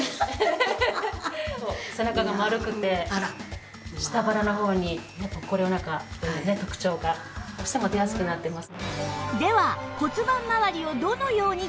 背中が丸くて下腹の方にポッコリお腹というね特徴がどうしても出やすくなってます。